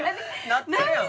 なってるやん。